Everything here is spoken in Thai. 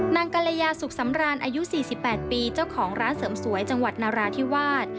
กรยาสุขสำราญอายุ๔๘ปีเจ้าของร้านเสริมสวยจังหวัดนราธิวาส